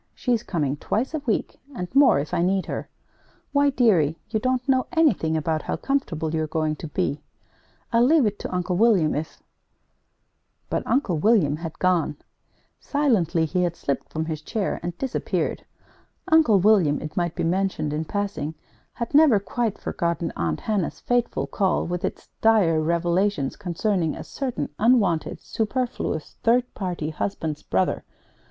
She's coming twice a week, and more, if I need her. Why, dearie, you don't know anything about how comfortable you're going to be! I'll leave it to Uncle William if " But Uncle William had gone. Silently he had slipped from his chair and disappeared. Uncle William, it might be mentioned in passing, had never quite forgotten Aunt Hannah's fateful call with its dire revelations concerning a certain unwanted, superfluous, third party husband's brother.